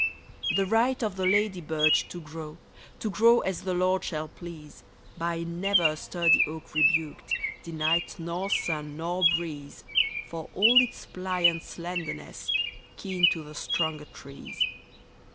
The right of the lady birch to grow, To grow as the Lord shall please, By never a sturdy oak rebuked, Denied nor sun nor breeze, For all its pliant slenderness, kin to the stronger trees.